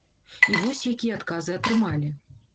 І вось якія адказы атрымалі.